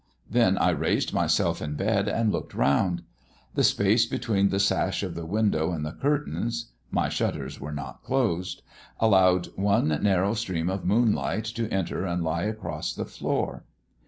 Then I raised myself in bed and looked round. The space between the sash of the window and the curtains my shutters were not closed allowed one narrow stream of moonlight to enter and lie across the floor.